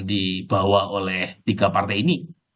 dibawa oleh tiga partai ini